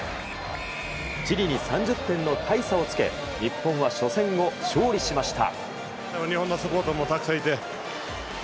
チリに３０点の大差をつけ日本は初戦を勝利しました。